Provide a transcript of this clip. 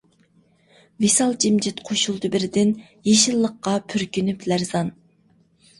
ۋىسال جىمجىت قوشۇلدى بىردىن، يېشىللىققا پۈركىنىپ لەرزان.